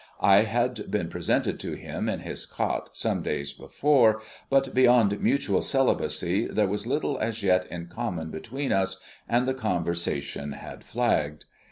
I had been presented to him in his cot some days before, but beyond mutual celibacy, there was little as yet in common between us, and the conversation had flagged.